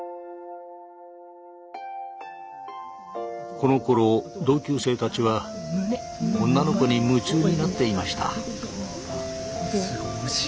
このころ同級生たちは女の子に夢中になっていました。